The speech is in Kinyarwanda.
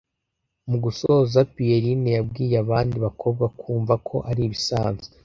mu gusoza pierrine yabwiye abandi bakobwa kumva ko ari ibisanzwe